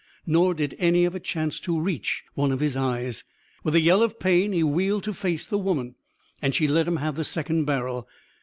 Nor did any of it chance to reach one of his eyes. With a yell of pain he wheeled to face the woman. And she let him have the second barrel.